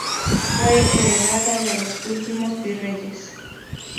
Fue heredada de los últimos Virreyes.